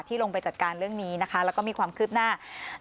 ลงไปจัดการเรื่องนี้นะคะแล้วก็มีความคืบหน้า